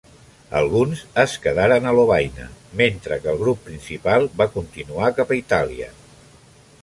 Alguns es quedaren a Lovaina, mentre que el grup principal va continuar cap a Itàlia.